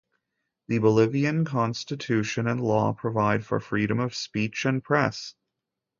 The Bolivian constitution and law provide for freedom of speech and press.